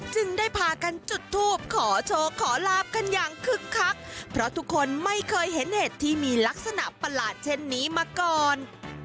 จึงได้พากันจุดทูบขอโชคขอลาบกันอย่างคึกคักเพราะทุกคนไม่เคยเห็นเห็ดที่มีลักษณะประหลาดเช่นนี้มาก่อน